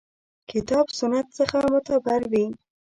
کتاب سنت څخه معتبر وي.